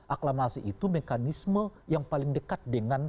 aklamasi itu mekanisme yang paling dekat dengan